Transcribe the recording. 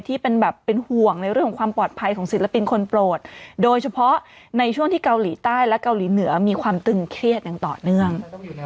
ที่เป็นแบบเป็นห่วงในเรื่องของความปลอดภัยของศิลปินคนโปรดโดยเฉพาะในช่วงที่เกาหลีใต้และเกาหลีเหนือมีความตึงเครียดอย่างต่อเนื่อง